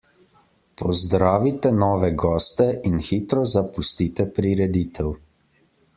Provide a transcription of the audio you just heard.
Pozdravite nove goste in hitro zapustite prireditev.